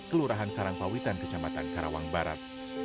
kelurahan karangpawitan kecamatan karawang barat